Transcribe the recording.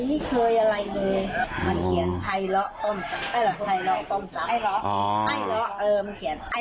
ไม่เคยอะไรเลยมันเขียนไฮเลาะเอ้าไฮเลาะไอเลาะอ๋อไอเลาะ